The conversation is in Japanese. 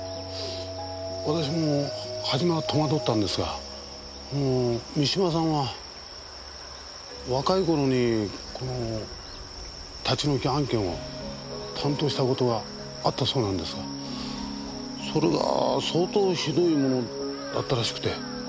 私も初めは戸惑ったんですがあの三島さんは若い頃にこの立ち退き案件を担当したことがあったそうなんですがそれが相当ひどいものだったらしくて。